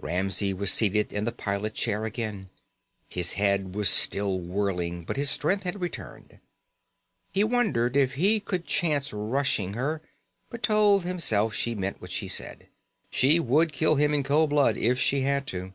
Ramsey was seated in the pilot chair again. His head was still whirling but his strength had returned. He wondered if he could chance rushing her but told himself she meant what she said. She would kill him in cold blood if she had to.